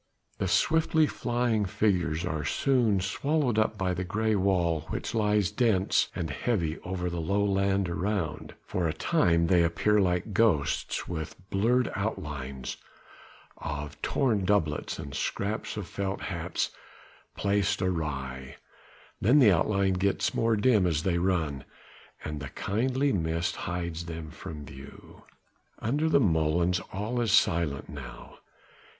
The swiftly flying figures are soon swallowed up by the grey wall which lies dense and heavy over the lowland around; for a time they appear like ghosts with blurred outlines of torn doublets and scraps of felt hats placed awry; then the outline gets more dim as they run, and the kindly mist hides them from view. Under the molens all is silent now.